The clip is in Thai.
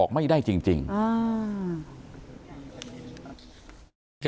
สวัสดีครับ